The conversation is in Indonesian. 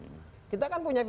tapi ini bukan negara kue